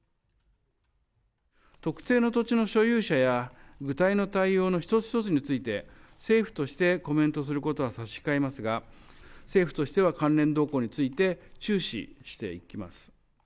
特定の土地の所有者や、具体の対応の一つ一つについて、政府としてコメントすることは差し控えますが、政府としては、関連動向について注視していきます。